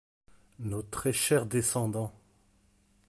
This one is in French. … nos très chers Descendants !